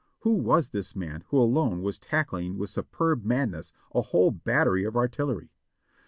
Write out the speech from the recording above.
Who was this man who alone was tackling with superb madness a whole battery of artillery?